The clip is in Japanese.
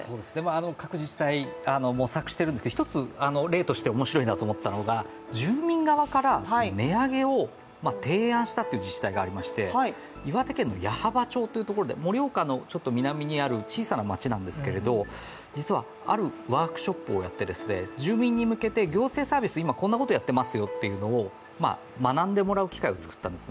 各時点で模索しているんですが、１つ、例として面白いなと思ったのが住民側から値上げを提案した自治体がありまして、岩手県の矢巾町という盛岡のちょっと南にある小さな町なんですけれども実はあるワークショップをやって住民に向けて行政サービス、今こんなことをやっていますよというのを学んでもらう機会を作ったんです。